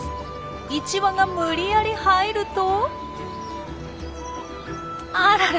１羽が無理やり入るとあらら。